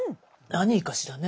何いいかしらね。